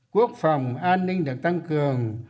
quốc phòng an ninh được tăng cường